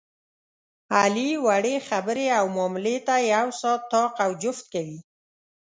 علي وړې خبرې او معاملې ته یو ساعت طاق او جفت کوي.